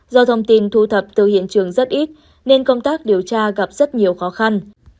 do thông tin thu thập từ hiện trường rất ít nên công tác điều tra gặp rất nhiều khó khăn